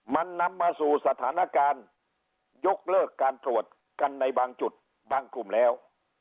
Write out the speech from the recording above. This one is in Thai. มันนำมาสู่สถานการณ์ยกเลิกการตรวจกันในบางจุดบางกลุ่มแล้ว